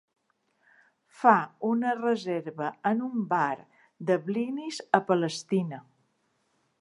Fa una reserva en un bar de blinis a Palestina.